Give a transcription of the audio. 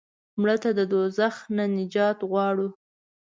مړه ته د دوزخ نه نجات غواړو